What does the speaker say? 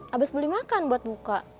habis beli makan buat buka